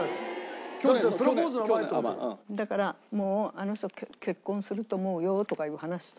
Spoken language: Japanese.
だからもう「あの人結婚すると思うよ」とかいう話した。